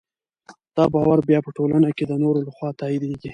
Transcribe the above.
دا باور بیا په ټولنه کې د نورو لخوا تاییدېږي.